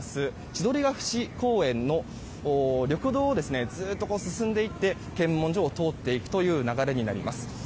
千鳥ケ淵公園の緑道を進んで検問所を通っていくという流れになります。